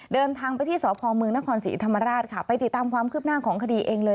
เดินทางไปที่สพเมืองนครศรีธรรมราชค่ะไปติดตามความคืบหน้าของคดีเองเลย